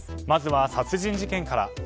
まずは殺人事件から。